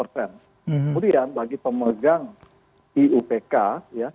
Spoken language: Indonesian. kemudian bagi pemegang iupk ya